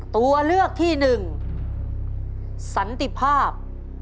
ตัวเลือกที่๑สันติภาพ